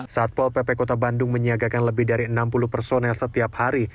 satpol pp kota bandung menyiagakan lebih dari enam puluh personel setiap hari